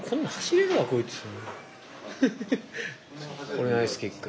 これナイスキック。